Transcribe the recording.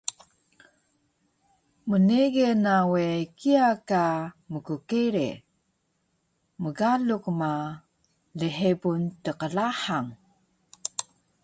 Bnege na we kiya ka mkkere, mgalu ma, lhebun tqlahang